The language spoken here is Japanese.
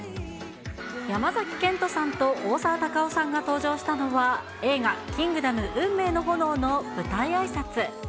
山崎賢人さんと大沢たかおさんが登場したのは、映画、キングダム運命の炎の舞台あいさつ。